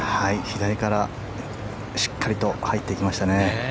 左からしっかりと入っていきましたね。